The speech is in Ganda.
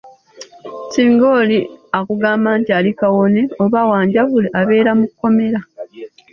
Singa oli akugamba nti ali kawone oba wanjabule abeera mu kkomera.